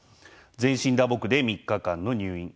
全身打撲で３日間の入院。